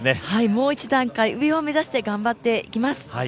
もう１段階上を目指して頑張っていきます！